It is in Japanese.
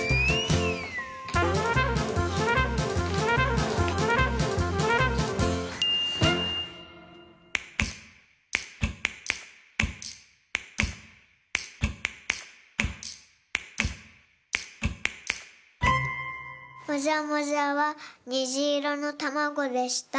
もじゃもじゃはにじいろのたまごでした。